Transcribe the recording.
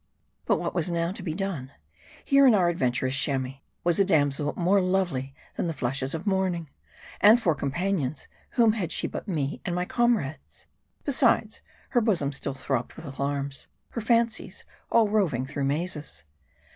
But what was now to be done ? Here, in our adventurous Chamois, was a damsel more lovely than the flushes of morning ; and for companions, whom had she but me and my comrades ? Be sides, her bosom still throbbed with alarms, her fancies all roving through mazes.